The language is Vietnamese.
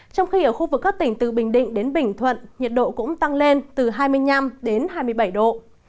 trong khi ở khu vực các tỉnh từ bình định đến bình thuận nhiệt độ cũng tăng lên từ hai mươi năm đến hai mươi bảy độ